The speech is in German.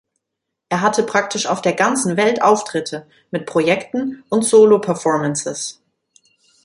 Er hatte praktisch auf der ganzen Welt Auftritte mit Projekten und Solo-Performances.